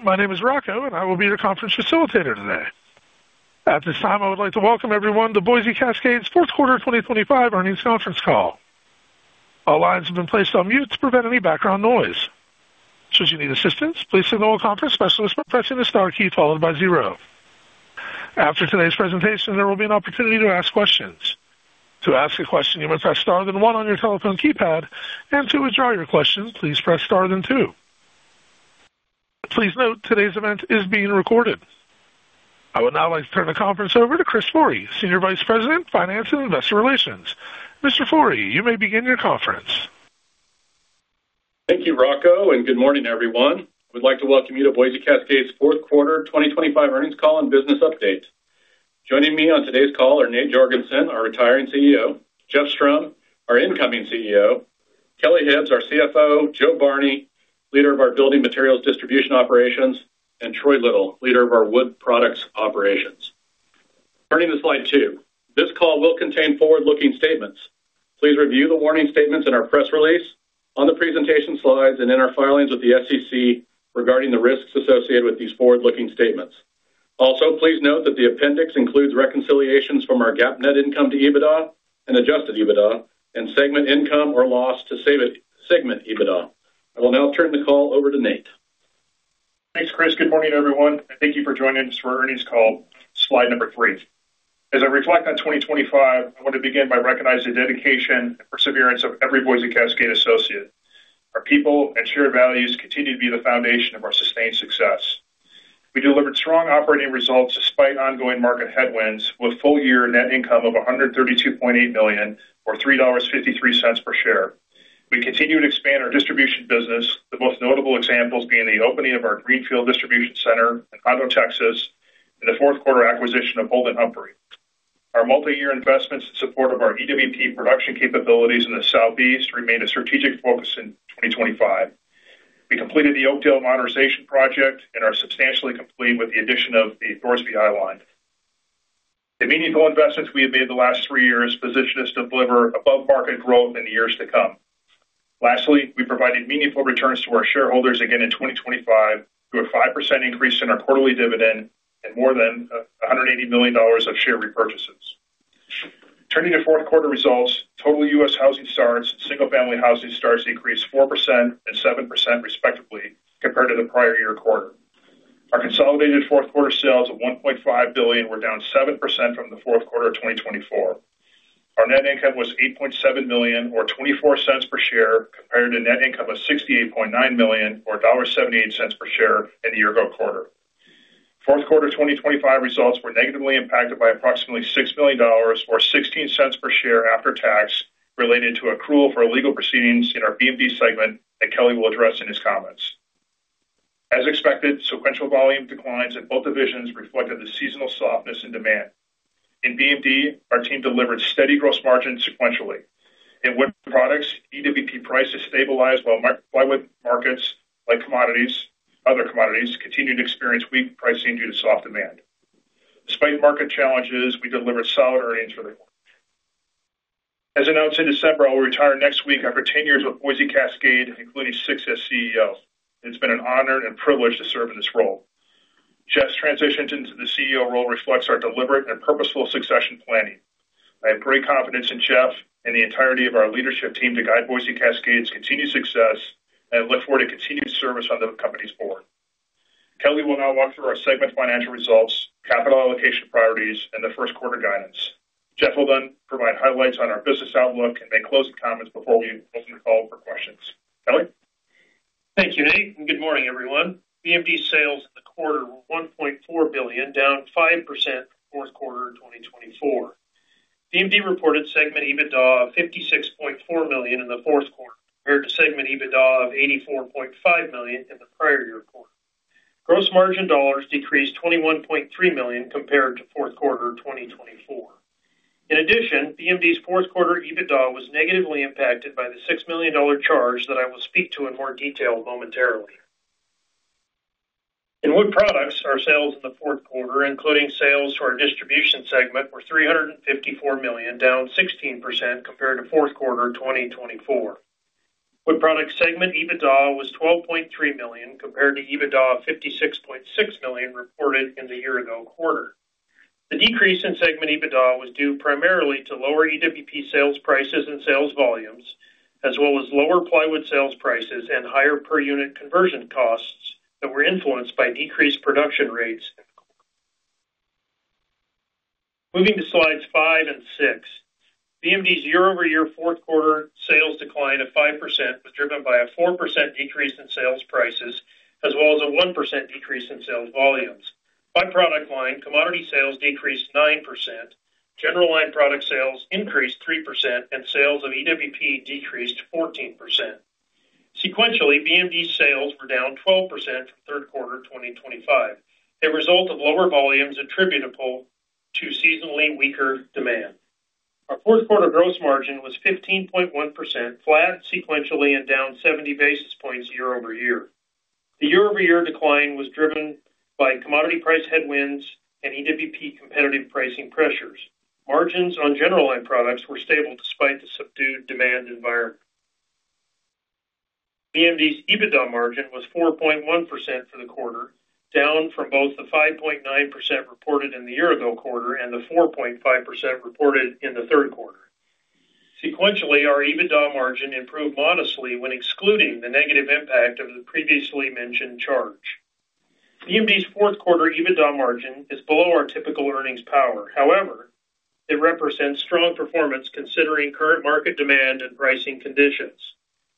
My name is Rocco, and I will be your conference facilitator today. At this time, I would like to welcome everyone to Boise Cascade's Fourth Quarter 2025 Earnings Conference Call. All lines have been placed on mute to prevent any background noise. Should you need assistance, please signal a conference specialist by pressing the star key followed by zero. After today's presentation, there will be an opportunity to ask questions. To ask a question, you may press star then one on your telephone keypad, and to withdraw your question, please press star then two. Please note, today's event is being recorded. I would now like to turn the conference over to Chris Forrey, Senior Vice President, Finance and Investor Relations. Mr. Forrey, you may begin your conference. Thank you, Rocco, and good morning, everyone. We'd like to welcome you to Boise Cascade's fourth quarter 2025 earnings call and business update. Joining me on today's call are Nate Jorgensen, our retiring CEO, Jeff Strom, our incoming CEO, Kelly Hibbs, our CFO, Jo Barney, leader of our Building Materials Distribution operations, and Troy Little, leader of our Wood Products operations. Turning to slide two. This call will contain forward-looking statements. Please review the warning statements in our press release, on the presentation slides, and in our filings with the SEC regarding the risks associated with these forward-looking statements. Please note that the appendix includes reconciliations from our GAAP net income to EBITDA and Adjusted EBITDA and segment income or loss to segment EBITDA. I will now turn the call over to Nate. Thanks, Chris. Good morning, everyone, and thank you for joining us for our earnings call. Slide number three. As I reflect on 2025, I want to begin by recognizing the dedication and perseverance of every Boise Cascade associate. Our people and shared values continue to be the foundation of our sustained success. We delivered strong operating results despite ongoing market headwinds, with full-year net income of $132.8 million, or $3.53 per share. We continue to expand our distribution business, the most notable examples being the opening of our Greenfield Distribution Center in Conroe, Texas, and the fourth quarter acquisition of Holden Humphrey. Our multi-year investments in support of our EWP production capabilities in the Southeast remained a strategic focus in 2025. We completed the Oakdale modernization project and are substantially complete with the addition of the Thorsby line. The meaningful investments we have made in the last three years position us to deliver above-market growth in the years to come. Lastly, we provided meaningful returns to our shareholders again in 2025, through a 5% increase in our quarterly dividend and more than $180 million of share repurchases. Turning to fourth quarter results, total U.S. housing starts, single-family housing starts increased 4% and 7%, respectively, compared to the prior year quarter. Our consolidated fourth-quarter sales of $1.5 billion were down 7% from the fourth quarter of 2024. Our net income was $8.7 million, or $0.24 per share, compared to net income of $68.9 million, or $1.78 per share in the year-ago quarter. Fourth quarter 2025 results were negatively impacted by approximately $6 million, or $0.16 per share after tax, related to accrual for legal proceedings in our BMD segment that Kelly will address in his comments. As expected, sequential volume declines in both divisions reflected the seasonal softness and demand. In BMD, our team delivered steady gross margin sequentially. In Wood Products, EWP prices stabilized, while plywood markets, like other commodities, continued to experience weak pricing due to soft demand. Despite market challenges, we delivered solid earnings for the quarter. As announced in December, I will retire next week after 10 years with Boise Cascade, including six as CEO. It's been an honor and privilege to serve in this role. Jeff's transition into the CEO role reflects our deliberate and purposeful succession planning. I have great confidence in Jeff and the entirety of our leadership team to guide Boise Cascade's continued success. I look forward to continued service on the company's board. Kelly will now walk through our segment financial results, capital allocation priorities, and the first quarter guidance. Jeff will provide highlights on our business outlook and make closing comments before we open the call for questions. Kelly? Thank you, Nate. Good morning, everyone. BMD sales in the quarter were $1.4 billion, down 5% from fourth quarter in 2024. BMD reported segment EBITDA of $56.4 million in the fourth quarter, compared to segment EBITDA of $84.5 million in the prior year quarter. Gross margin dollars decreased $21.3 million compared to fourth quarter 2024. BMD's fourth quarter EBITDA was negatively impacted by the $6 million charge that I will speak to in more detail momentarily. In Wood Products, our sales in the fourth quarter, including sales to our Distribution segment, were $354 million, down 16% compared to fourth quarter 2024. Wood products segment EBITDA was $12.3 million, compared to EBITDA of $56.6 million reported in the year-ago quarter. The decrease in segment EBITDA was due primarily to lower EWP sales prices and sales volumes, as well as lower plywood sales prices and higher per unit conversion costs that were influenced by decreased production rates. Moving to slides five and six. BMD's year-over-year fourth quarter sales decline of 5% was driven by a 4% decrease in sales prices, as well as a 1% decrease in sales volumes. By product line, commodity sales decreased 9%, general line product sales increased 3%, and sales of EWP decreased 14%. Sequentially, BMD's sales were down 12% from third quarter 2025, a result of lower volumes attributable to seasonally weaker demand. Our fourth quarter gross margin was 15.1%, flat sequentially and down 70 basis points year-over-year. The year-over-year decline was driven by commodity price headwinds and EWP competitive pricing pressures. Margins on general line products were stable despite the subdued demand environment. BMD's EBITDA margin was 4.1% for the quarter, down from both the 5.9% reported in the year-ago quarter and the 4.5% reported in the third quarter. Sequentially, our EBITDA margin improved modestly when excluding the negative impact of the previously mentioned charge. BMD's fourth quarter EBITDA margin is below our typical earnings power. However, it represents strong performance considering current market demand and pricing conditions.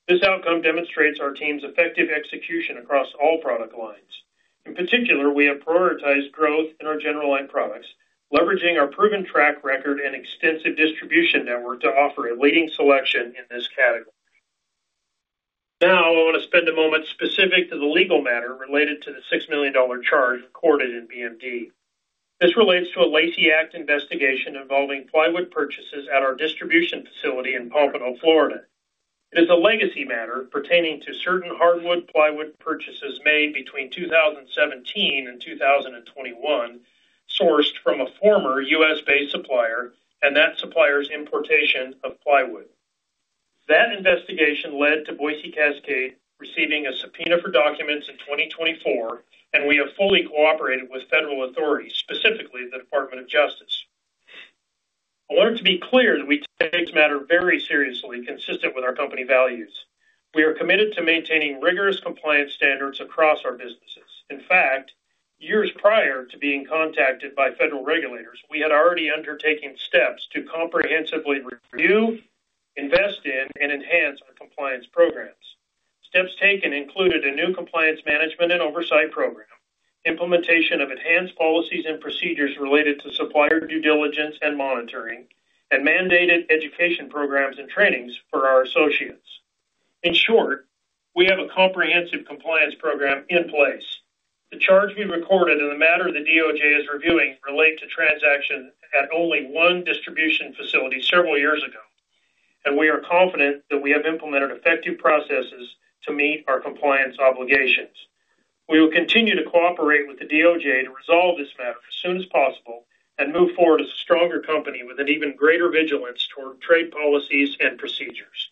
This outcome demonstrates our team's effective execution across all product lines. In particular, we have prioritized growth in our general line products, leveraging our proven track record and extensive distribution network to offer a leading selection in this category. Now, I want to spend a moment specific to the legal matter related to the $6 million charge recorded in BMD. This relates to a Lacey Act investigation involving plywood purchases at our distribution facility in Pompano, Florida. It is a legacy matter pertaining to certain hardwood plywood purchases made between 2017 and 2021, sourced from a former U.S.-based supplier and that supplier's importation of plywood. That investigation led to Boise Cascade receiving a subpoena for documents in 2024, and we have fully cooperated with federal authorities, specifically the Department of Justice. I want it to be clear that we take this matter very seriously, consistent with our company values. We are committed to maintaining rigorous compliance standards across our businesses. In fact, years prior to being contacted by federal regulators, we had already undertaken steps to comprehensively review, invest in, and enhance our compliance programs. Steps taken included a new compliance management and oversight program, implementation of enhanced policies and procedures related to supplier due diligence and monitoring, and mandated education programs and trainings for our associates. In short, we have a comprehensive compliance program in place. The charge we recorded and the matter the DOJ is reviewing relate to transaction at only one distribution facility several years ago. We are confident that we have implemented effective processes to meet our compliance obligations. We will continue to cooperate with the DOJ to resolve this matter as soon as possible and move forward as a stronger company with an even greater vigilance toward trade policies and procedures.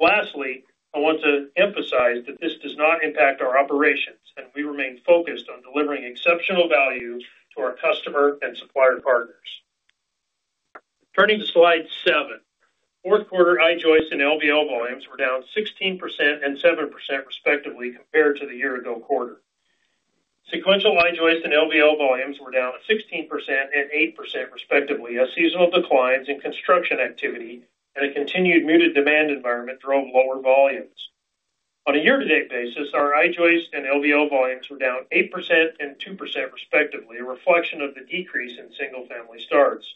Lastly, I want to emphasize that this does not impact our operations. We remain focused on delivering exceptional value to our customer and supplier partners. Turning to slide seven. Fourth quarter I-joist and LVL volumes were down 16% and 7%, respectively, compared to the year-ago quarter. Sequential I-joist and LVL volumes were down 16% and 8%, respectively, as seasonal declines in construction activity and a continued muted demand environment drove lower volumes. On a year-to-date basis, our I-joist and LVL volumes were down 8% and 2%, respectively, a reflection of the decrease in single-family starts.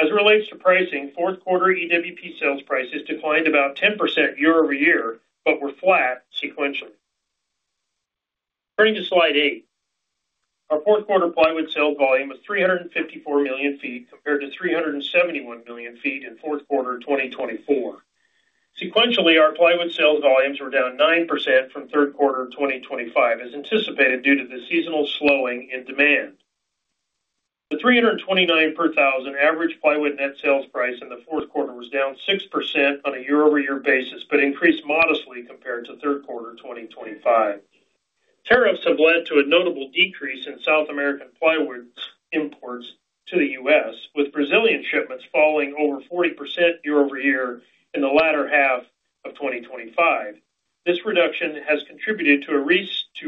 As it relates to pricing, fourth quarter EWP sales prices declined about 10% year-over-year, but were flat sequentially. Turning to slide eight. Our fourth quarter plywood sales volume was 354 million feet, compared to 371 million feet in fourth quarter 2024. Sequentially, our plywood sales volumes were down 9% from third quarter 2025, as anticipated due to the seasonal slowing in demand. The $329 per thousand average plywood net sales price in the fourth quarter was down 6% on a year-over-year basis, increased modestly compared to third quarter 2025. Tariffs have led to a notable decrease in South American plywood imports to the U.S., with Brazilian shipments falling over 40% year-over-year in the latter half of 2025. This reduction has contributed to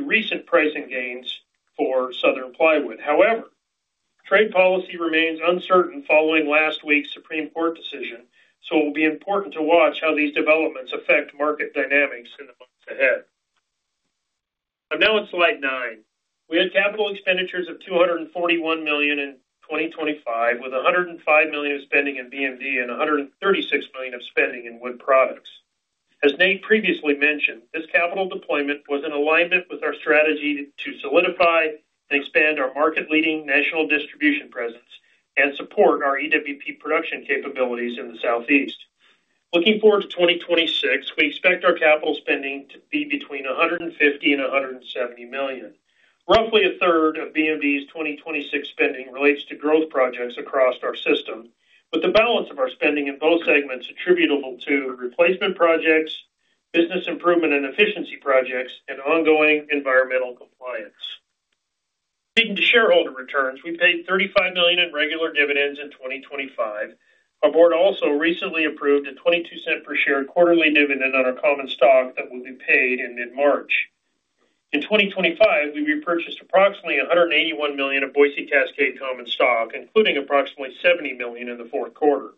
recent pricing gains for Southern Plywood. Trade policy remains uncertain following last week's Supreme Court decision, it will be important to watch how these developments affect market dynamics in the months ahead. I'm now on slide 9. We had capital expenditures of $241 million in 2025, with $105 million of spending in BMD and $136 million of spending in Wood Products. As Nate previously mentioned, this capital deployment was in alignment with our strategy to solidify and expand our market-leading national distribution presence and support our EWP production capabilities in the Southeast. Looking forward to 2026, we expect our capital spending to be between $150 million and $170 million. Roughly a third of BMD's 2026 spending relates to growth projects across our system, with the balance of our spending in both segments attributable to replacement projects, business improvement and efficiency projects, and ongoing environmental compliance. Speaking to shareholder returns, we paid $35 million in regular dividends in 2025. Our board also recently approved a $0.22 per share quarterly dividend on our common stock that will be paid in mid-March. In 2025, we repurchased approximately $181 million of Boise Cascade common stock, including approximately $70 million in the fourth quarter.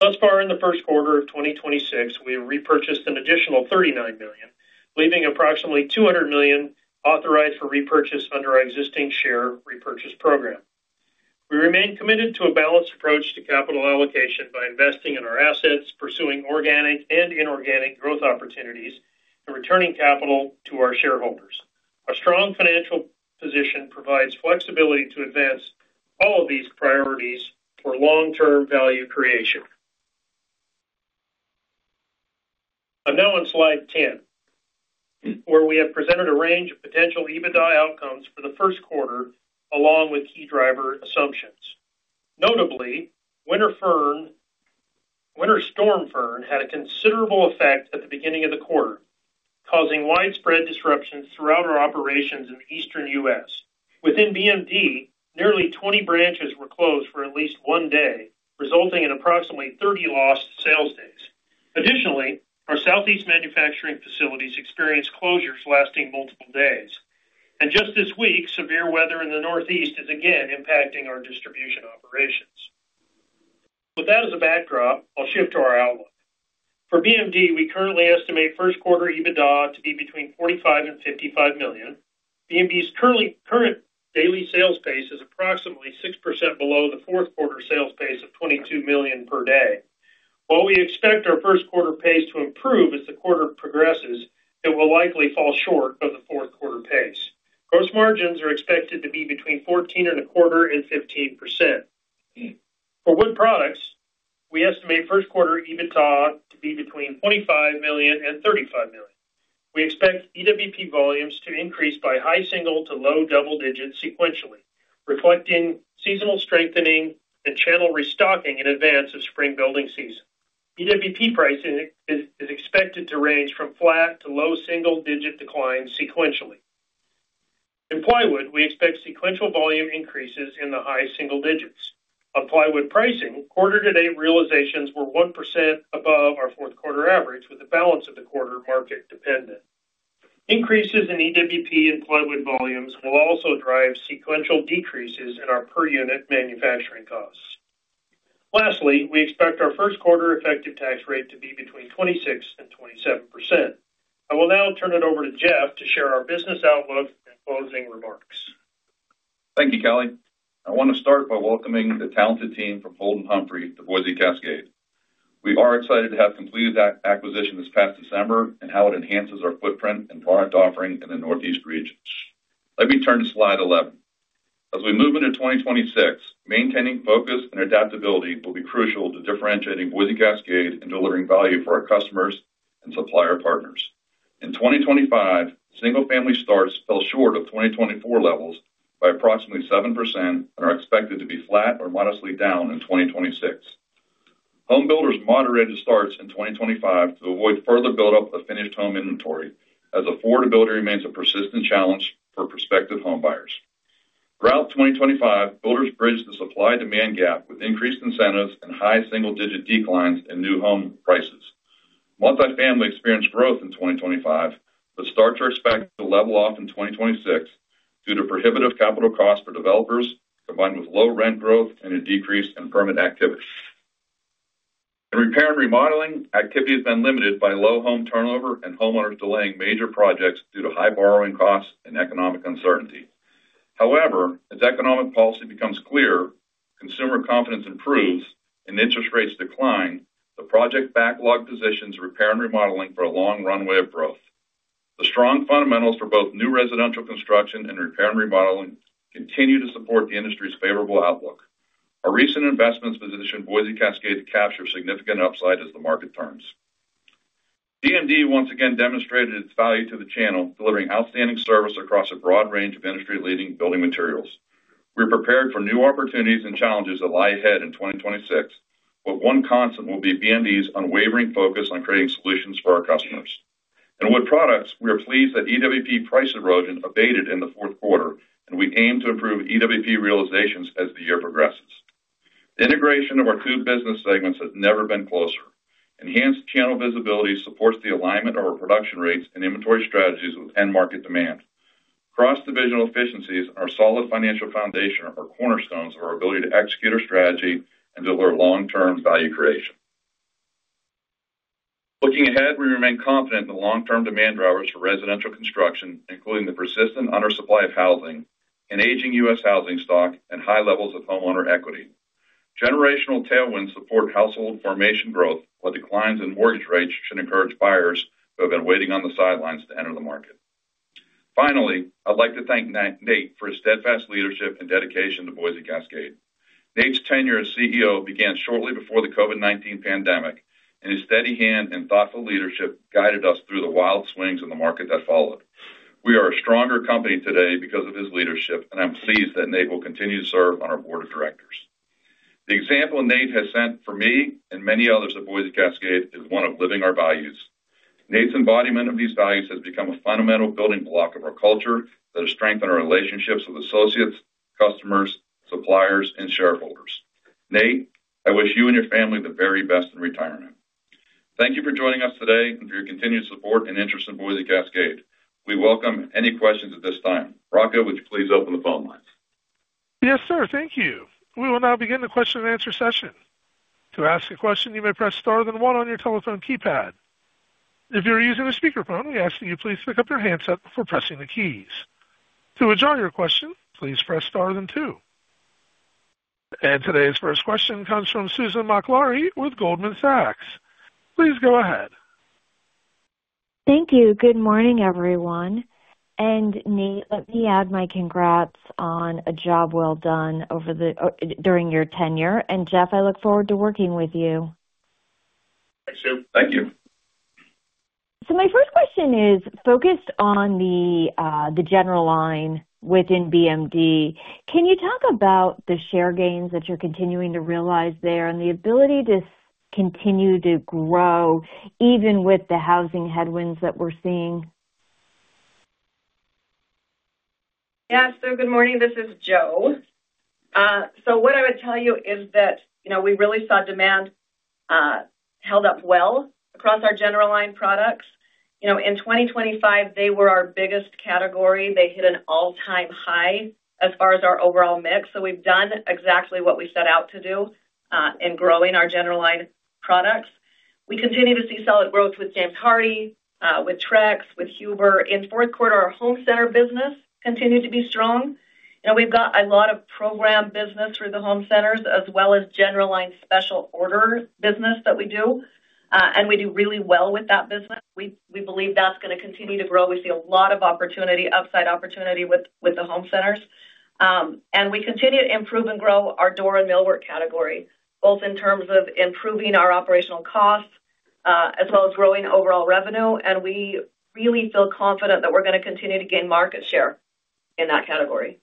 Thus far in the first quarter of 2026, we have repurchased an additional $39 million, leaving approximately $200 million authorized for repurchase under our existing share repurchase program. We remain committed to a balanced approach to capital allocation by investing in our assets, pursuing organic and inorganic growth opportunities, and returning capital to our shareholders. Our strong financial position provides flexibility to advance all of these priorities for long-term value creation. I'm now on slide 10, where we have presented a range of potential EBITDA outcomes for the first quarter, along with key driver assumptions. Notably, Winter Storm Fern had a considerable effect at the beginning of the quarter, causing widespread disruptions throughout our operations in the Eastern U.S. Within BMD, nearly 20 branches were closed for at least one day, resulting in approximately 30 lost sales days. Additionally, our Southeast manufacturing facilities experienced closures lasting multiple days, and just this week, severe weather in the Northeast is again impacting our distribution operations. With that as a backdrop, I'll shift to our outlook. For BMD, we currently estimate first quarter EBITDA to be between $45 million and $55 million. BMD's current daily sales pace is approximately 6% below the fourth quarter sales pace of $22 million per day. While we expect our first quarter pace to improve as the quarter progresses, it will likely fall short of the fourth quarter pace. Gross margins are expected to be between fourteen and a quarter and 15%. For Wood Products, we estimate first quarter EBITDA to be between $25 million and $35 million. We expect EWP volumes to increase by high single to low double digits sequentially, reflecting seasonal strengthening and channel restocking in advance of spring building season. EWP pricing is expected to range from flat to low single-digit declines sequentially. In plywood, we expect sequential volume increases in the high single digits. On plywood pricing, quarter-to-date realizations were 1% above our 4th quarter average, with the balance of the quarter market dependent. Increases in EWP and plywood volumes will also drive sequential decreases in our per unit manufacturing costs. Lastly, we expect our 1st quarter effective tax rate to be between 26% and 27%. I will now turn it over to Jeff to share our business outlook and closing remarks. Thank you, Kelly. I want to start by welcoming the talented team from Holden Humphrey to Boise Cascade. We are excited to have completed that acquisition this past December and how it enhances our footprint and product offering in the Northeast region. Let me turn to slide 11. As we move into 2026, maintaining focus and adaptability will be crucial to differentiating Boise Cascade and delivering value for our customers and supplier partners. In 2025, single-family starts fell short of 2024 levels by approximately 7% and are expected to be flat or modestly down in 2026. Home builders moderated starts in 2025 to avoid further build up of finished home inventory, as affordability remains a persistent challenge for prospective homebuyers. Throughout 2025, builders bridged the supply-demand gap with increased incentives and high single-digit declines in new home prices. Multifamily experienced growth in 2025, but starts are expected to level off in 2026 due to prohibitive capital costs for developers, combined with low rent growth and a decrease in permit activity. In repair and remodeling, activity has been limited by low home turnover and homeowners delaying major projects due to high borrowing costs and economic uncertainty. However, as economic policy becomes clear, consumer confidence improves, and interest rates decline, the project backlog positions repair and remodeling for a long runway of growth. The strong fundamentals for both new residential construction and repair and remodeling continue to support the industry's favorable outlook. Our recent investments position Boise Cascade to capture significant upside as the market turns. BMD once again demonstrated its value to the channel, delivering outstanding service across a broad range of industry-leading building materials. We're prepared for new opportunities and challenges that lie ahead in 2026, but one constant will be BMD's unwavering focus on creating solutions for our customers. In Wood Products, we are pleased that EWP price erosion abated in the fourth quarter, and we aim to improve EWP realizations as the year progresses. The integration of our two business segments has never been closer. Enhanced channel visibility supports the alignment of our production rates and inventory strategies with end market demand. Cross-divisional efficiencies and our solid financial foundation are cornerstones of our ability to execute our strategy and deliver long-term value creation. Looking ahead, we remain confident in the long-term demand drivers for residential construction, including the persistent undersupply of housing, an aging U.S. housing stock, and high levels of homeowner equity. Generational tailwinds support household formation growth, while declines in mortgage rates should encourage buyers who have been waiting on the sidelines to enter the market. Finally, I'd like to thank Nate for his steadfast leadership and dedication to Boise Cascade. Nate's tenure as CEO began shortly before the COVID-19 pandemic, and his steady hand and thoughtful leadership guided us through the wild swings in the market that followed. We are a stronger company today because of his leadership, and I'm pleased that Nate will continue to serve on our board of directors. The example Nate has set for me and many others at Boise Cascade is one of living our values. Nate's embodiment of these values has become a fundamental building block of our culture that has strengthened our relationships with associates, customers, suppliers, and shareholders. Nate, I wish you and your family the very best in retirement. Thank you for joining us today and for your continued support and interest in Boise Cascade. We welcome any questions at this time. Rocco, would you please open the phone lines? Yes, sir. Thank you. We will now begin the question-and-answer session. To ask a question, you may press star then one on your telephone keypad. If you are using a speakerphone, we ask that you please pick up your handset before pressing the keys. To withdraw your question, please press star then two. Today's first question comes from Susan Maklari with Goldman Sachs. Please go ahead. Thank you. Good morning, everyone. Nate, let me add my congrats on a job well done over the during your tenure. Jeff, I look forward to working with you. Thanks, Sue. Thank you. My first question is focused on the general line within BMD. Can you talk about the share gains that you're continuing to realize there and the ability to continue to grow, even with the housing headwinds that we're seeing? Yeah. Good morning. This is Jo. What I would tell you is that, you know, we really saw demand held up well across our general line products. You know, in 2025, they were our biggest category. They hit an all-time high as far as our overall mix. We've done exactly what we set out to do in growing our general line products. We continue to see solid growth with James Hardie, with Trex, with Huber. In the fourth quarter, our home center business continued to be strong, and we've got a lot of program business through the home centers, as well as general line special order business that we do, and we do really well with that business. We believe that's gonna continue to grow. We see a lot of opportunity, upside opportunity, with the home centers. We continue to improve and grow our door and millwork category, both in terms of improving our operational costs, as well as growing overall revenue. We really feel confident that we're gonna continue to gain market share in that category.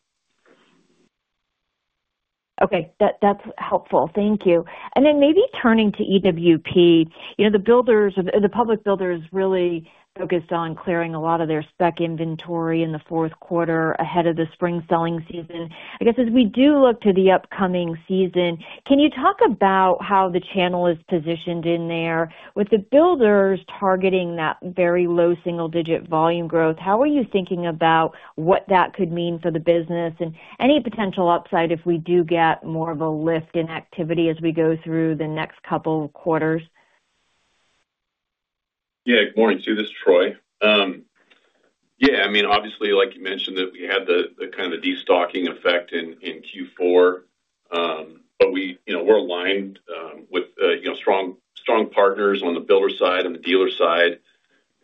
Okay, that's helpful. Thank you. Then maybe turning to EWP, you know, the builders, the public builders really focused on clearing a lot of their spec inventory in the fourth quarter ahead of the spring selling season. I guess, as we do look to the upcoming season, can you talk about how the channel is positioned in there? With the builders targeting that very low single-digit volume growth, how are you thinking about what that could mean for the business and any potential upside if we do get more of a lift in activity as we go through the next couple of quarters? Yeah. Good morning, Sue, this is Troy. Yeah, I mean, obviously, like you mentioned, that we had the kind of destocking effect in Q4, but we, you know, we're aligned with, you know, strong partners on the builder side and the dealer side.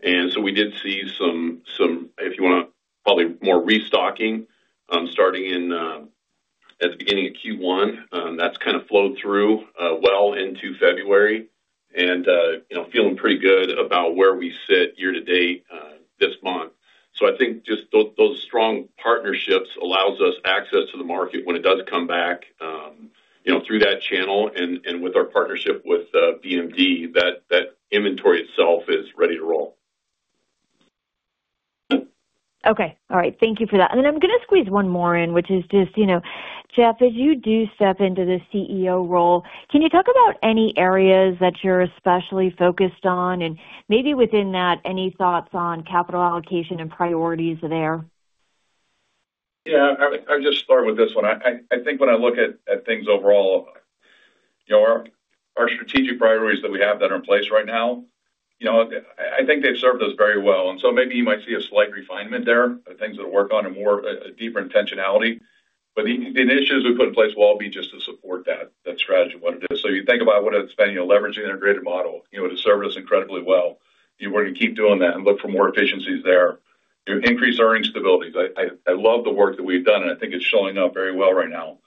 We did see some, if you wanna probably more restocking, starting in at the beginning of Q1. That's kind of flowed through well into February and, you know, feeling pretty good about where we sit year to date this month. I think just those strong partnerships allows us access to the market when it does come back, you know, through that channel and, with our partnership with BMD, that inventory itself is ready to roll. Okay. All right, thank you for that. Then I'm gonna squeeze one more in, which is just, you know, Jeff, as you do step into the CEO role, can you talk about any areas that you're especially focused on? Maybe within that, any thoughts on capital allocation and priorities there? I'll just start with this one. I think when I look at things overall, you know, our strategic priorities that we have that are in place right now, you know, I think they've served us very well. Maybe you might see a slight refinement there of things that'll work on a more deeper intentionality. The initiatives we put in place will all be just to support that strategy of what it is. You think about what it's been, you know, leveraging integrated model, you know, it has served us incredibly well. We're gonna keep doing that and look for more efficiencies there. To increase earnings stability. I love the work that we've done, and I think it's showing up very well right now.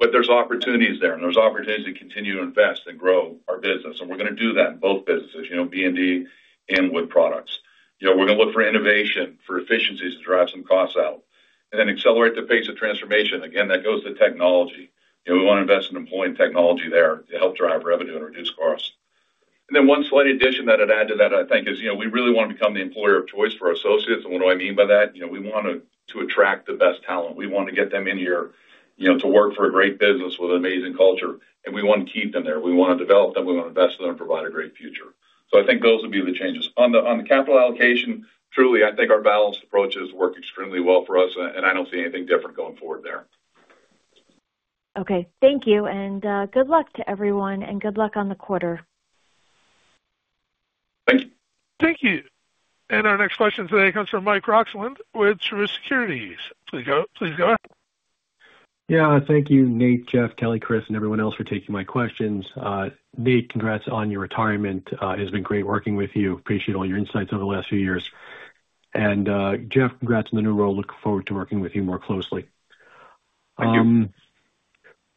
There's opportunities there, and there's opportunities to continue to invest and grow our business, and we're gonna do that in both businesses, you know, BMD and Wood Products. You know, we're gonna look for innovation, for efficiencies to drive some costs out and then accelerate the pace of transformation. Again, that goes to technology. You know, we want to invest in employing technology there to help drive revenue and reduce costs. One slight addition that I'd add to that, I think, is, you know, we really want to become the employer of choice for our associates. What do I mean by that? You know, we want to attract the best talent. We want to get them in here, you know, to work for a great business with an amazing culture, and we want to keep them there. We want to develop them, we want to invest in them, and provide a great future. I think those will be the changes. On the capital allocation, truly, I think our balanced approaches work extremely well for us, and I don't see anything different going forward there. Okay. Thank you, and good luck to everyone, and good luck on the quarter. Thank you. Thank you. Our next question today comes from Michael Roxland with Truist Securities. Please go ahead. Yeah, thank you, Nate, Jeff, Kelly, Chris, and everyone else for taking my questions. Nate, congrats on your retirement. It's been great working with you. Appreciate all your insights over the last few years. Jeff, congrats on the new role. Looking forward to working with you more closely. Thank you.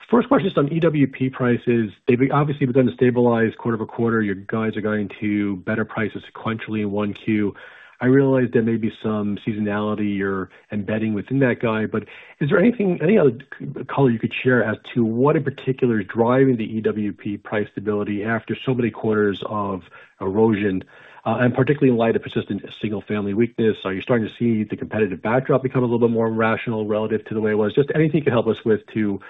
First question is on EWP prices. They've obviously begun to stabilize quarter-over-quarter. Your guides are going to better prices sequentially in 1Q. I realize there may be some seasonality you're embedding within that guide, is there anything, any other color you could share as to what in particular is driving the EWP price stability after so many quarters of erosion, and particularly in light of persistent single-family weakness? Are you starting to see the competitive backdrop become a little bit more rational relative to the way it was? Just anything you can help us with to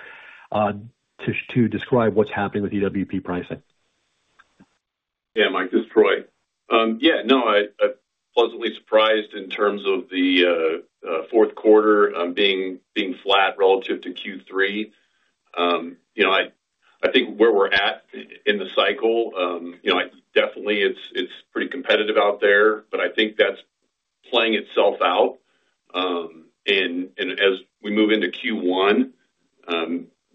describe what's happening with EWP pricing. Yeah, Mike, this is Troy. Yeah, no, I pleasantly surprised in terms of the fourth quarter, being flat relative to Q3. You know, I think where we're at in the cycle, you know, definitely it's pretty competitive out there, but I think that's playing itself out. As we move into Q1,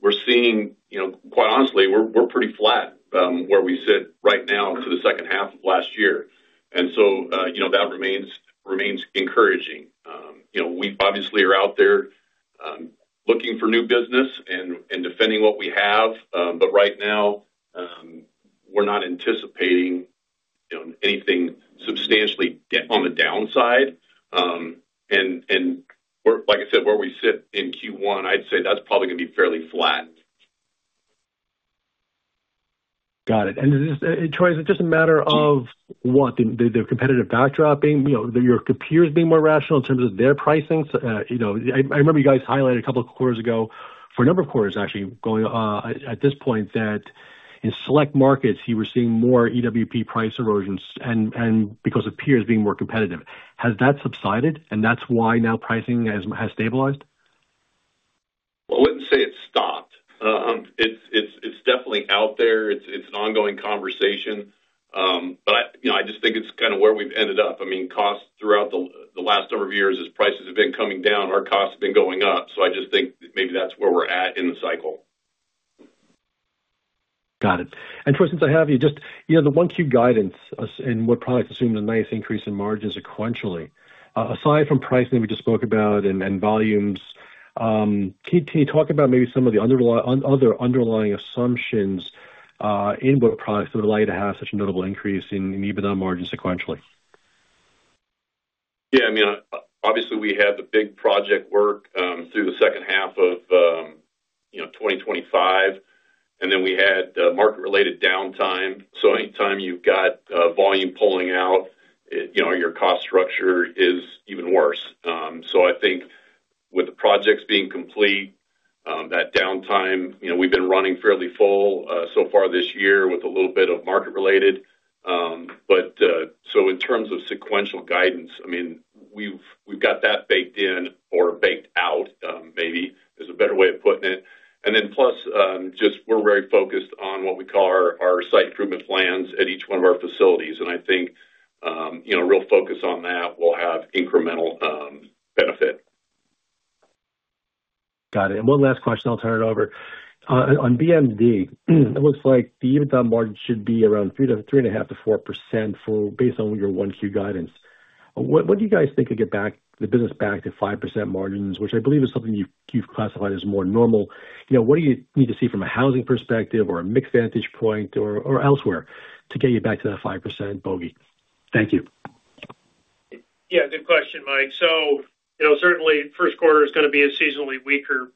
we're seeing, you know, quite honestly, we're pretty flat, where we sit right now to the second half of last year. You know, that remains encouraging. You know, we obviously are out there, looking for new business and defending what we have, but right now, we're not anticipating, you know, anything substantially on the downside. Like I said, where we sit in Q1, I'd say that's probably gonna be fairly flat. Got it. Troy, is it just a matter of what? The competitive backdrop being, you know, your peers being more rational in terms of their pricing? You know, I remember you guys highlighted a couple of quarters ago, for a number of quarters, actually, going at this point, that in select markets, you were seeing more EWP price erosions and because of peers being more competitive. Has that subsided, and that's why now pricing has stabilized? I wouldn't say it's stopped. It's definitely out there. It's an ongoing conversation. You know, I just think it's kind of where we've ended up. I mean, costs throughout the last number of years, as prices have been coming down, our costs have been going up, I just think maybe that's where we're at in the cycle. Got it. Troy, since I have you, just, you know, the 1Q guidance and we're probably assuming a nice increase in margins sequentially. Aside from pricing that we just spoke about and volumes, can you talk about maybe some of the other underlying assumptions in what products that allow you to have such a notable increase in EBITDA margins sequentially? Yeah, I mean, obviously, we had the big project work through the second half of, you know, 2025, and then we had market-related downtime. Anytime you've got volume pulling out, you know, your cost structure is even worse. I think with the projects being complete, that downtime, you know, we've been running fairly full so far this year with a little bit of market-related. In terms of sequential guidance, I mean, we've got that baked in or baked out, maybe is a better way of putting it. Plus, just we're very focused on what we call our site improvement plans at each one of our facilities. I think, you know, real focus on that will have incremental benefit. Got it. One last question, I'll turn it over. On BMD, it looks like the EBITDA margin should be around 3%-3.5%-4% based on your 1Q guidance. What do you guys think could get the business back to 5% margins, which I believe is something you've classified as more normal? You know, what do you need to see from a housing perspective or a mixed vantage point or elsewhere to get you back to that 5% bogey? Thank you. Yeah, good question, Mike. You know, certainly first quarter is gonna be a seasonally weaker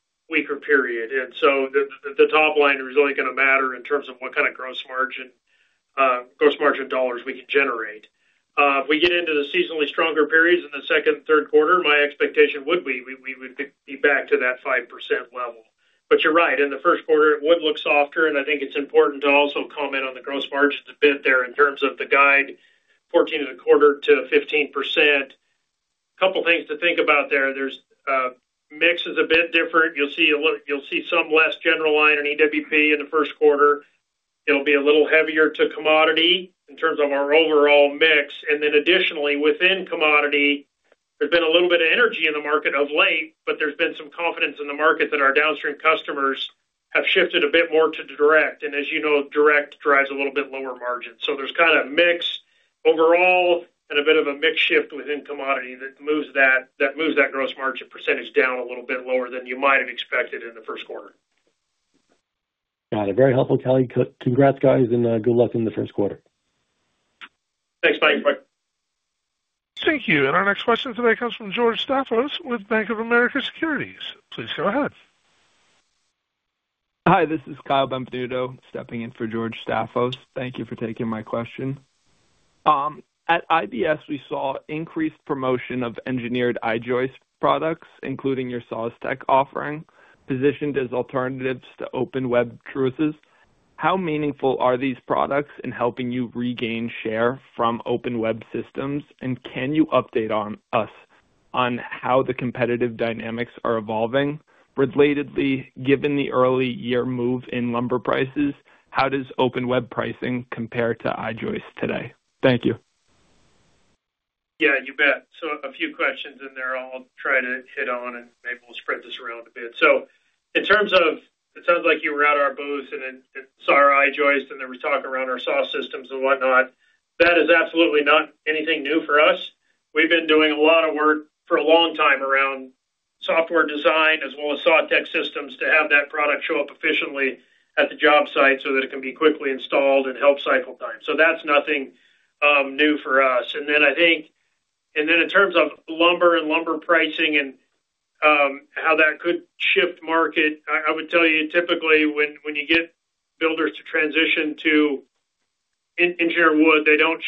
period, and the, the top line is only gonna matter in terms of what kind of gross margin, gross margin dollars we can generate. If we get into the seasonally stronger periods in the second and third quarter, my expectation would be we would be back to that 5% level. You're right, in the first quarter, it would look softer, and I think it's important to also comment on the gross margins a bit there in terms of the guide, 14.25%-15%. Couple things to think about there. There's, mix is a bit different. You'll see some less general line in EWP in the first quarter. It'll be a little heavier to commodity in terms of our overall mix. Additionally, within commodity, there's been a little bit of energy in the market of late, but there's been some confidence in the market that our downstream customers have shifted a bit more to direct, and as you know, direct drives a little bit lower margin. There's kind of a mix overall and a bit of a mix shift within commodity that moves that gross margin percentage down a little bit lower than you might have expected in the first quarter. Got it. Very helpful, Kelly. Congrats, guys, and good luck in the first quarter. Thanks, Mike. Bye. Thank you. Our next question today comes from George Staphos with Bank of America Securities. Please go ahead. Hi, this is Kyle Benvenuto, stepping in for George Staphos. Thank you for taking my question. At IBS, we saw increased promotion of engineered I-joist products, including your SawTek offering, positioned as alternatives to open web trusses. How meaningful are these products in helping you regain share from open web systems, and can you update us on how the competitive dynamics are evolving? Relatedly, given the early year move in lumber prices, how does open web pricing compare to I-joist today? Thank you. You bet. A few questions in there I'll try to hit on, and maybe we'll spread this around a bit. It sounds like you were at our booth and saw our I-joist, and there was talk around our SawTek system and whatnot. That is absolutely not anything new for us. We've been doing a lot of work for a long time around software design, as well as SawTek systems, to have that product show up efficiently at the job site so that it can be quickly installed and help cycle time. That's nothing new for us. Then in terms of lumber and lumber pricing and how that could shift market, I would tell you, typically, when you get builders to transition to engineered wood, they don't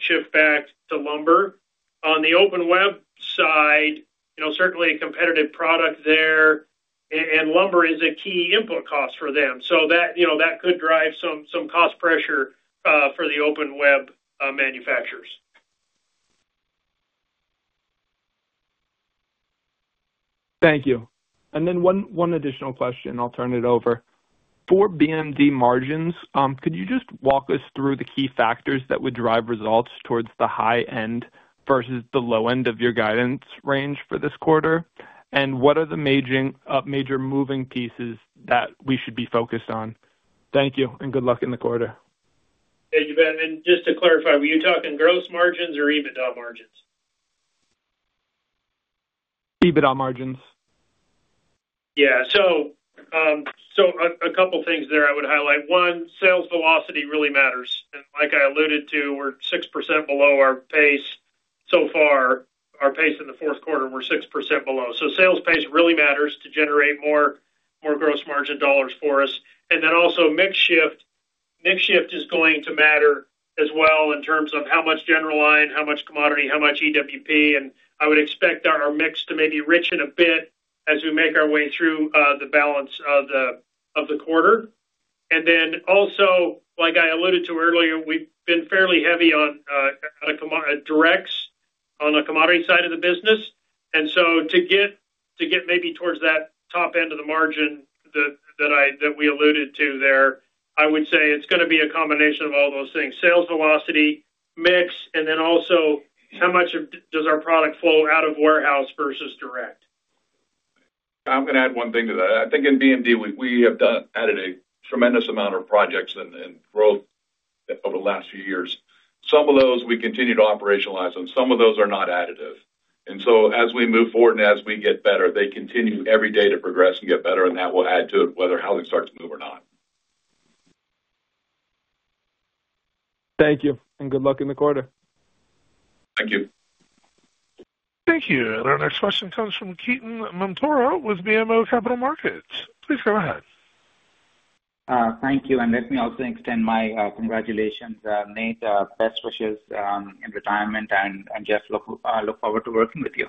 shift back to lumber. On the open web side, you know, certainly a competitive product there, and lumber is a key input cost for them. That, you know, that could drive some cost pressure for the open web manufacturers. Thank you. One additional question, I'll turn it over. For BMD margins, could you just walk us through the key factors that would drive results towards the high end versus the low end of your guidance range for this quarter? What are the major moving pieces that we should be focused on? Thank you, good luck in the quarter. Thank you, Ben. Just to clarify, were you talking gross margins or EBITDA margins? EBITDA margins. Yeah. A couple things there I would highlight. One, sales velocity really matters, and like I alluded to, we're 6% below our pace so far. Our pace in the fourth quarter, we're 6% below. Sales pace really matters to generate more gross margin dollars for us. Mix shift. Mix shift is going to matter as well in terms of how much general line, how much commodity, how much EWP, and I would expect our mix to maybe richen a bit as we make our way through the balance of the quarter. Like I alluded to earlier, we've been fairly heavy on directs on the commodity side of the business. To get maybe towards that top end of the margin that I, that we alluded to there, I would say it's gonna be a combination of all those things: sales velocity, mix, and then also how much does our product flow out of warehouse versus direct. I'm gonna add one thing to that. I think in BMD, we have added a tremendous amount of projects and growth over the last few years. Some of those we continue to operationalize, and some of those are not additive. As we move forward and as we get better, they continue every day to progress and get better, and that will add to it whether howling starts to move or not. Thank you, and good luck in the quarter. Thank you. Thank you. Our next question comes from Ketan Mamtora with BMO Capital Markets. Please go ahead. Thank you. Let me also extend my congratulations, Nate, best wishes, in retirement, and Jeff, look forward to working with you.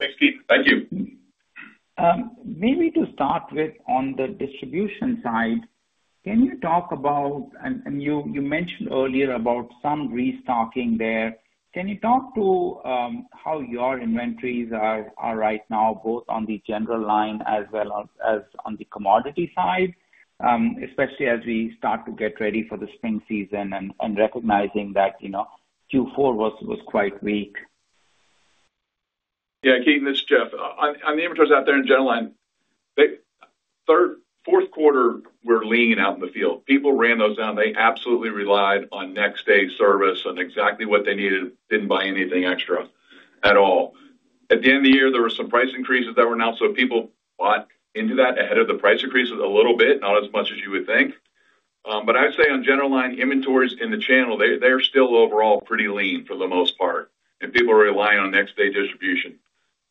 Thanks, Ketan. Thank you. Maybe to start with, on the distribution side, can you talk about? You mentioned earlier about some restocking there. Can you talk to how your inventories are right now, both on the general line as well as on the commodity side, especially as we start to get ready for the spring season and recognizing that, you know, Q4 was quite weak? Yeah, Ketan, this is Jeff. On the inventories out there in general line, third, fourth quarter, we're leaning out in the field. People ran those down. They absolutely relied on next-day service and exactly what they needed, didn't buy anything extra at all. At the end of the year, there were some price increases that were announced, people bought into that ahead of the price increases a little bit, not as much as you would think. I'd say on general line inventories in the channel, they are still overall pretty lean for the most part, and people are relying on next-day distribution.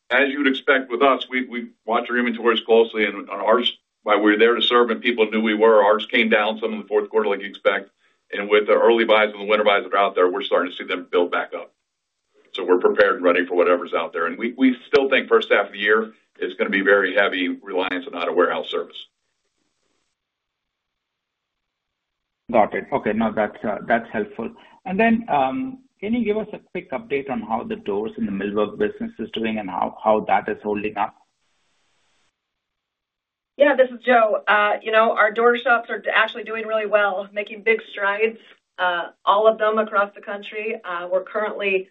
As you would expect with us, we watch our inventories closely, and on ours, while we're there to serve, and people knew we were, ours came down some in the fourth quarter like you expect. With the early buys and the winter buys that are out there, we're starting to see them build back up. We're prepared and ready for whatever's out there. We still think first half of the year is gonna be very heavy reliance on out-of-warehouse service. Got it. Okay, now, that's helpful. Then, can you give us a quick update on how the doors in the Millwork business is doing and how that is holding up? Yeah, this is Jo. You know, our door shops are actually doing really well, making big strides, all of them across the country. We're currently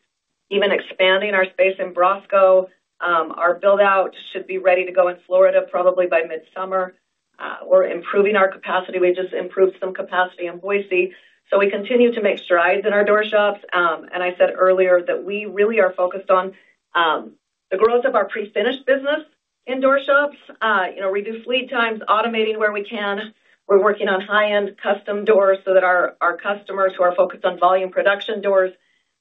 even expanding our space in BROSCO. Our build-out should be ready to go in Florida, probably by mid-summer. We're improving our capacity. We just improved some capacity in Boise. We continue to make strides in our door shops. I said earlier that we really are focused on the growth of our pre-finished business in door shops. You know, reduce lead times, automating where we can. We're working on high-end custom doors so that our customers who are focused on volume production doors,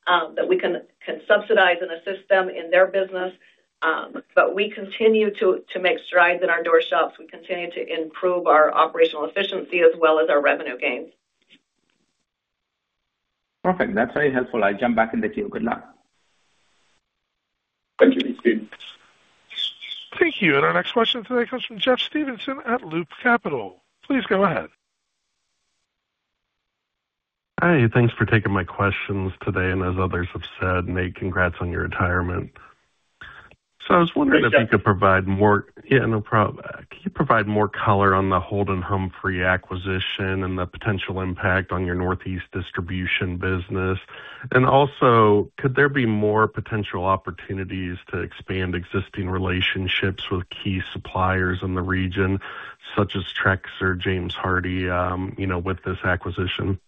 that we can subsidize and assist them in their business. We continue to make strides in our door shops. We continue to improve our operational efficiency as well as our revenue gains. Perfect. That's very helpful. I jump back in the queue. Good luck. Thank you, Ketan. Thank you. Our next question today comes from Jeffrey Stevenson at Loop Capital. Please go ahead. Hi, thanks for taking my questions today, and as others have said, Nate, congrats on your retirement. Thanks, Jeff. Yeah, no problem. Can you provide more color on the Holden Humphrey acquisition and the potential impact on your Northeast distribution business? Also, could there be more potential opportunities to expand existing relationships with key suppliers in the region, such as Trex or James Hardie, you know, with this acquisition?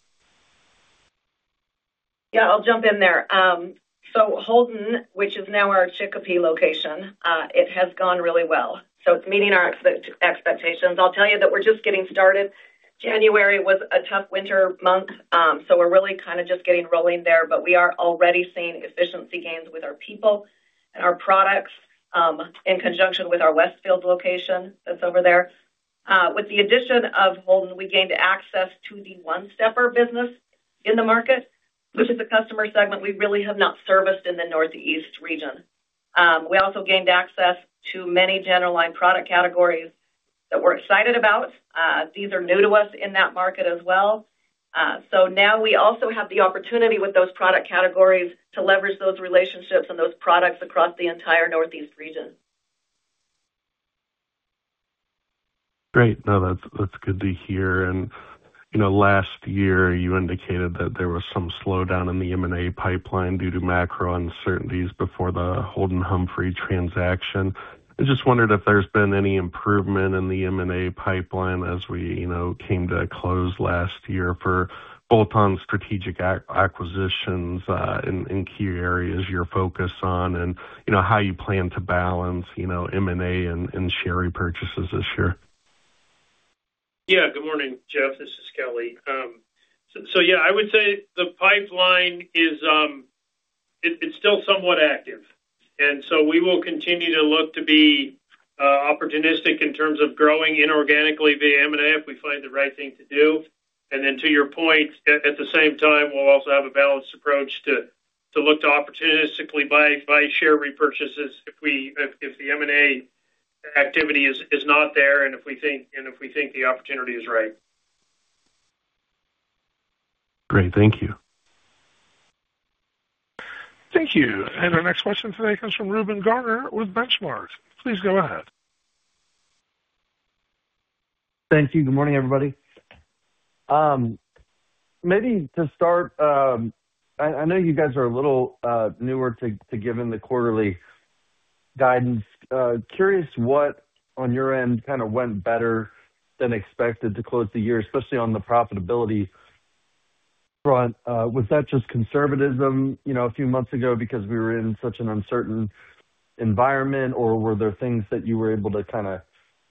Yeah, I'll jump in there. Holden, which is now our Chicopee location, it has gone really well. It's meeting our expectations. I'll tell you that we're just getting started. January was a tough winter month, we're really kind of just getting rolling there, but we are already seeing efficiency gains with our people and our products, in conjunction with our Westfield location that's over there. With the addition of Holden, we gained access to the one-step business in the market, which is a customer segment we really have not serviced in the Northeast region. We also gained access to many general line product categories that we're excited about. These are new to us in that market as well. Now we also have the opportunity with those product categories to leverage those relationships and those products across the entire Northeast region. Great. No, that's good to hear. you know, last year, you indicated that there was some slowdown in the M&A pipeline due to macro uncertainties before the Holden Humphrey transaction. I just wondered if there's been any improvement in the M&A pipeline as we, you know, came to a close last year for both on strategic acquisitions, in key areas you're focused on, and, you know, how you plan to balance, you know, M&A and share repurchases this year? Good morning, Jeff. This is Kelly. I would say the pipeline is, it's still somewhat active, and we will continue to look to be opportunistic in terms of growing inorganically via M&A if we find the right thing to do. To your point, at the same time, we'll also have a balanced approach to look to opportunistically buy share repurchases if the M&A activity is not there, and if we think the opportunity is right. Great. Thank you. Thank you. Our next question today comes from Reuben Garner with Benchmark. Please go ahead. Thank you. Good morning, everybody. Maybe to start, I know you guys are a little newer to giving the quarterly guidance. Curious what, on your end, kinda went better than expected to close the year, especially on the profitability front? Was that just conservatism, you know, a few months ago, because we were in such an uncertain environment, or were there things that you were able to kinda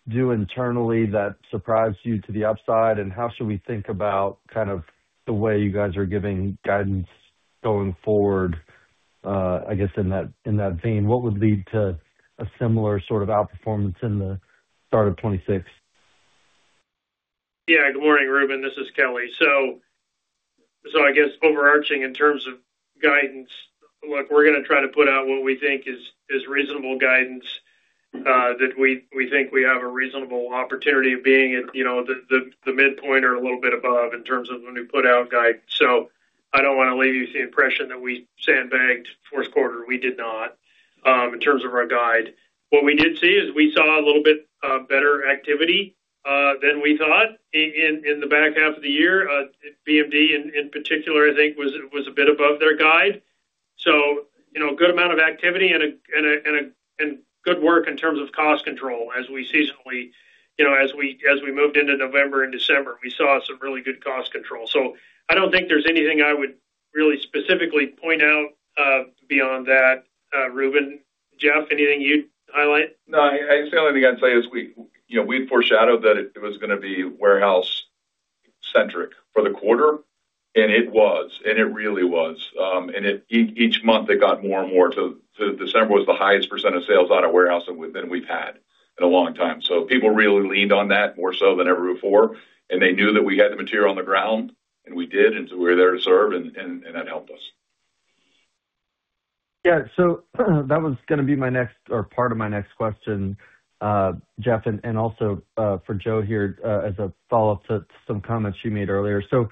do internally that surprised you to the upside? How should we think about kind of the way you guys are giving guidance going forward? I guess in that, in that vein, what would lead to a similar sort of outperformance in the start of 2026? Good morning, Reuben. This is Kelly. So I guess overarching in terms of guidance, look, we're gonna try to put out what we think is reasonable guidance that we think we have a reasonable opportunity of being at, you know, the midpoint or a little bit above in terms of when we put out guide. I don't wanna leave you with the impression that we sandbagged fourth quarter. We did not in terms of our guide. What we did see is we saw a little bit better activity than we thought in the back half of the year. BMD, in particular, I think, was a bit above their guide. You know, a good amount of activity and a good work in terms of cost control as we seasonally... You know, as we moved into November and December, we saw some really good cost control. I don't think there's anything I would really specifically point out beyond that, Reuben. Jeff, anything you'd highlight? No, the only thing I'd tell you is we, you know, we foreshadowed that it was gonna be warehouse-centric for the quarter, and it was, and it really was. Each month, it got more and more. December was the highest percent of sales out of warehouse than we've had in a long time. People really leaned on that more so than ever before, and they knew that we had the material on the ground, and we did, and so we were there to serve, and that helped us. Yeah, so that was gonna be my next or part of my next question, Jeff, and also, for Jo here, as a follow-up to some comments you made earlier. So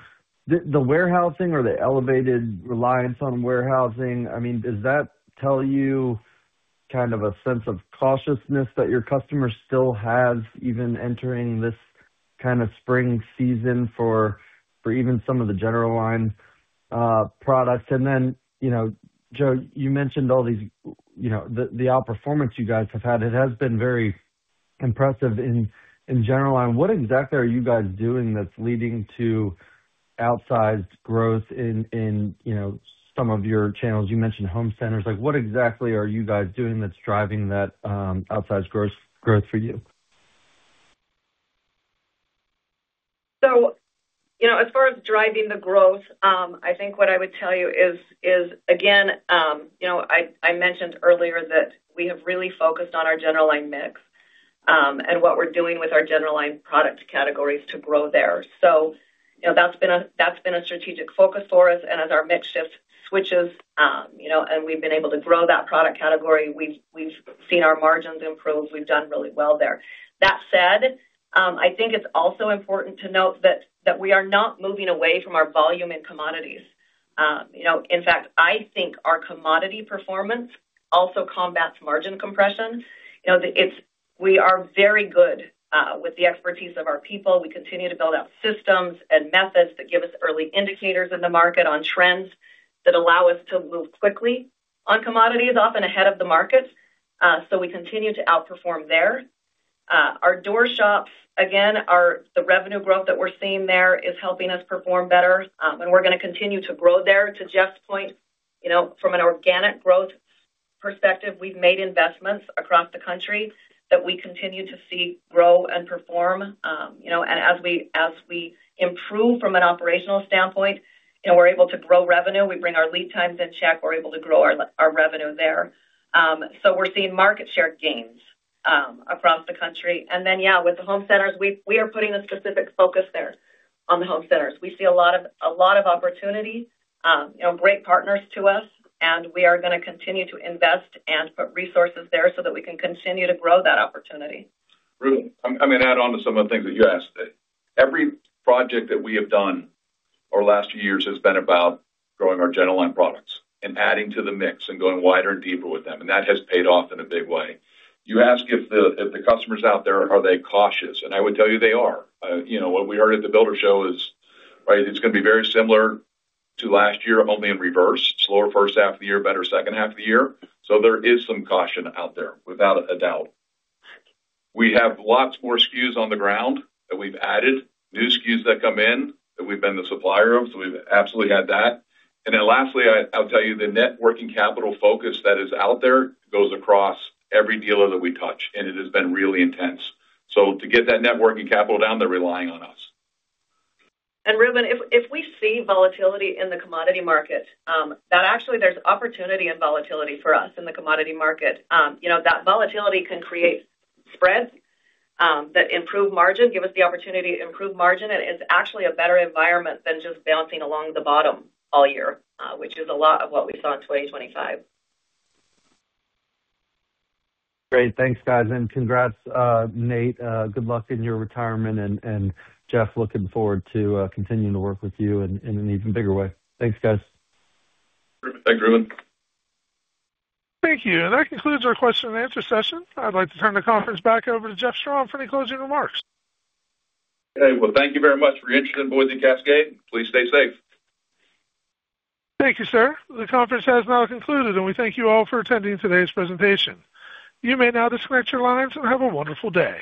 the warehousing or the elevated reliance on warehousing, I mean, does that tell you kind of a sense of cautiousness that your customer still has, even entering this kind of spring season for even some of the general line products? Then, you know, Jo, you mentioned all these, you know, the outperformance you guys have had, it has been very impressive in general line. What exactly are you guys doing that's leading to outsized growth in, you know, some of your channels? You mentioned home centers. Like, what exactly are you guys doing that's driving that outsized growth for you? You know, as far as driving the growth, I think what I would tell you is, again, you know, I mentioned earlier that we have really focused on our general line mix, and what we're doing with our general line product categories to grow there. You know, that's been a strategic focus for us. As our mix shift switches, you know, and we've been able to grow that product category, we've seen our margins improve. We've done really well there. That said, I think it's also important to note that we are not moving away from our volume in commodities. You know, in fact, I think our commodity performance also combats margin compression. You know, we are very good with the expertise of our people. We continue to build out systems and methods that give us early indicators in the market on trends that allow us to move quickly on commodities, often ahead of the market. We continue to outperform there. Our door shops, again, the revenue growth that we're seeing there is helping us perform better, and we're gonna continue to grow there. To Jeff's point, you know, from an organic growth perspective, we've made investments across the country that we continue to see grow and perform. You know, as we, as we improve from an operational standpoint, you know, we're able to grow revenue. We bring our lead times in check, we're able to grow our revenue there. We're seeing market share gains across the country. Then, yeah, with the home centers, we are putting a specific focus there on the home centers. We see a lot of opportunity, you know, great partners to us, and we are gonna continue to invest and put resources there so that we can continue to grow that opportunity. Reuben, I'm gonna add on to some of the things that you asked. Every project that we have done over the last two years has been about growing our general line products and adding to the mix and going wider and deeper with them, and that has paid off in a big way. You ask if the, if the customers out there, are they cautious? I would tell you they are. You know, what we heard at the Builder Show is, right, it's gonna be very similar to last year, only in reverse. Slower first half of the year, better second half of the year. There is some caution out there, without a doubt. We have lots more SKUs on the ground that we've added, new SKUs that come in, that we've been the supplier of, so we've absolutely had that. Lastly, I'll tell you, the net working capital focus that is out there goes across every dealer that we touch, and it has been really intense. To get that net working capital down, they're relying on us. Reuben, if we see volatility in the commodity market, that actually there's opportunity and volatility for us in the commodity market. You know, that volatility can create spreads, that improve margin, give us the opportunity to improve margin, and it's actually a better environment than just bouncing along the bottom all year, which is a lot of what we saw in 2025. Great. Thanks, guys, congrats, Nate. Good luck in your retirement. Jeff, looking forward to continuing to work with you in an even bigger way. Thanks, guys. Thanks, Reuben. Thank you. That concludes our question-and-answer session. I'd like to turn the conference back over to Jeff Strom for any closing remarks. Okay. Well, thank you very much for your interest in Boise Cascade. Please stay safe. Thank you, sir. The conference has now concluded, and we thank you all for attending today's presentation. You may now disconnect your lines, and have a wonderful day.